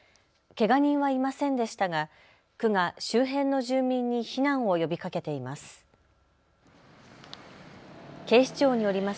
けが人はいませんでしたが区が周辺の住民に避難を呼びかけています。